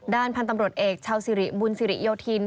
พันธุ์ตำรวจเอกชาวสิริบุญสิริโยธิน